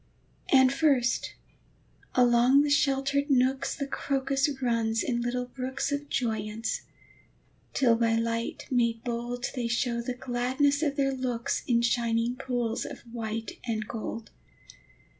And first, along the sheltered nooks, The crocus runs in little brooks Of joyance, till by light made bold They show the gladness of their looks In shining pools of white and gold.